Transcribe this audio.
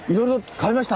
買えました。